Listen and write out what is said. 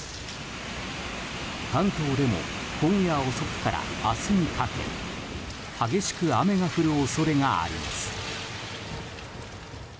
関東でも今夜遅くから明日にかけ激しく雨が降る恐れがあります。